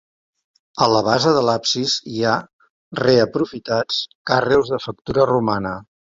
A la base de l'absis hi ha, reaprofitats, carreus de factura romana.